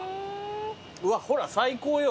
うわほら最高よ。